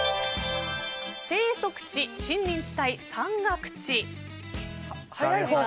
生息地、森林地帯、山岳地。